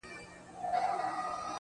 چا ویل چي خدای د انسانانو په رکم نه دی.